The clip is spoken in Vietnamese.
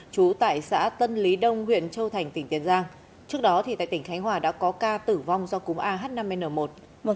trú tại xã tân lý đông huyện châu thành tỉnh tiền giang trước đó tại tỉnh khánh hòa đã có ca tử vong do cúm ah năm n một